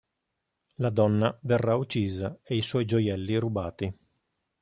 La donna verrà uccisa e i suoi gioielli rubati.